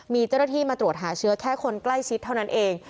มีเจ้าหน้าที่มาตรวจหาเชื้อแค่คนใกล้ชิดเท่านั้นเอง